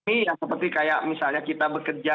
ini yang seperti kayak misalnya kita bekerja